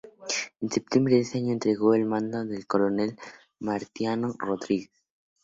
En septiembre de ese año entregó el mando al coronel Martiniano Rodríguez.